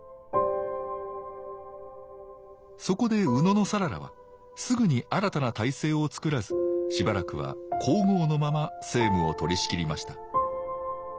そこで野讃良はすぐに新たな体制をつくらずしばらくは皇后のまま政務を取りしきりました。